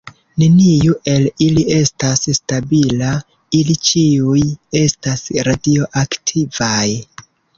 Neniu el ili estas stabila; ili ĉiuj estas radioaktivaj.